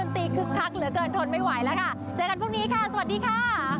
ถนนไม่ไหวแล้วค่ะเจอกันพรุ่งนี้ค่ะสวัสดีค่ะ